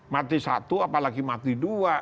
mati satu apalagi mati dua